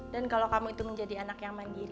dan kalau kamu itu menjadi anak yang mandiri